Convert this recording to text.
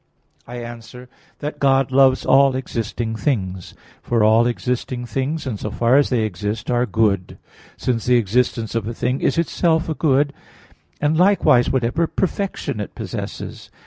I answer that, God loves all existing things. For all existing things, in so far as they exist, are good, since the existence of a thing is itself a good; and likewise, whatever perfection it possesses.